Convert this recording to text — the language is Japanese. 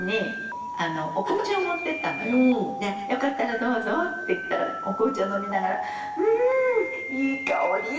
「よかったらどうぞ」って言ったらお紅茶飲みながら「うんいい香り」って言ったの。